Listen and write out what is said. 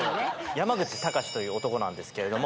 山口尚志という男なんですけれども。